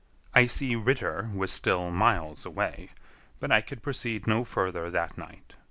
Icy Ritter was still miles away, but I could proceed no farther that night.